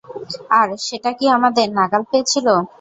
আর, সেটা কি আমাদের নাগাল পেয়েছিল?